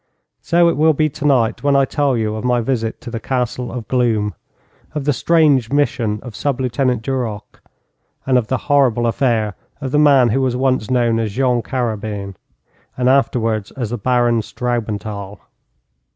So it will be tonight when I tell you of my visit to the Castle of Gloom; of the strange mission of Sub Lieutenant Duroc, and of the horrible affair of the man who was once known as Jean Carabin, and afterwards as the Baron Straubenthal.